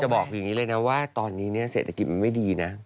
บอกอย่างนี้เลยนะว่าตอนนี้เศรษฐกิจมันไม่ดีนะ